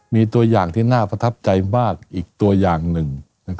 มีตัวอย่างที่น่าประทับใจมากอีกตัวอย่างหนึ่ง